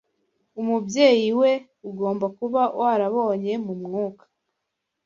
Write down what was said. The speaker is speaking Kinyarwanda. Umubyeyi - we ugomba kuba warabonye, Mu mwuka